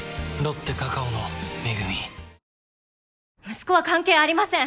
息子は関係ありません！